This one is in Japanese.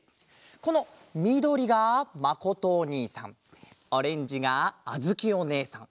このみどりがまことおにいさんオレンジがあづきおねえさん